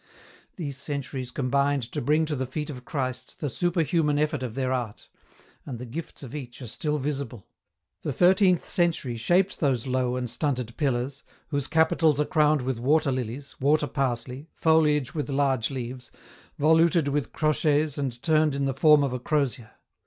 These centuries combined to bring to the feet of Christ the super human effort of their art, and the gifts of each are still visible. The thirteenth century shaped those low and stunted pillars, whose capitals are crowned with water lilies, water parsley, foliage with large leaves, voluted with crochets and turned in the form of a crosier.